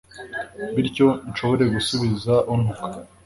bityo nshobore gusubiza untuka